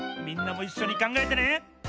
みんなもいっしょにかんがえてね！